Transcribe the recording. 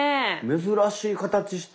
珍しい形して。